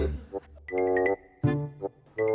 dengar apa kamu